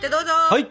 はい！